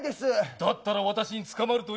だったら私につかまるといい。